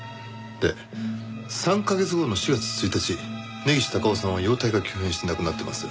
で３カ月後の４月１日根岸隆雄さんは容体が急変して亡くなってます。